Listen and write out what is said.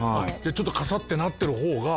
ちょっとカサッてなってる方がいいんだ。